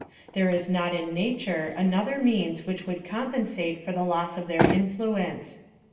There is not in na ture another means which would compensate for the loss of their influence.